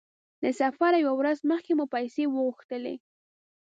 له سفره يوه ورځ مخکې مو پیسې وغوښتلې.